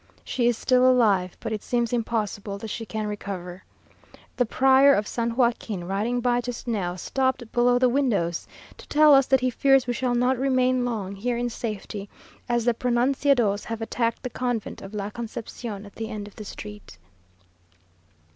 She is still alive, but it seems impossible that she can recover. The Prior of San Joaquin, riding by just now, stopped below the windows to tell us that he fears we shall not remain long here in safety, as the pronunciados have attacked the Convent of La Concepción, at the end of the street.